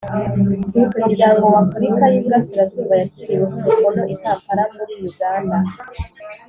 muryango wa Afurika y Iburasirazuba yashyiriweho umukono i Kampala muri Uganda